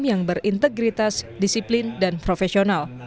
yang berintegritas disiplin dan profesional